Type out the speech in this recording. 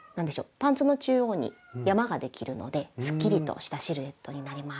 パンツの中央に山ができるのですっきりとしたシルエットになります。